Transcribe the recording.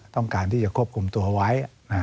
ต้องการที่จะควบคุมตัวไว้